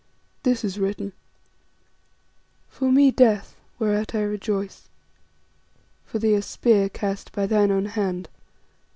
"This is written: For me, death, whereat I rejoice. For thee a spear cast by thine own hand.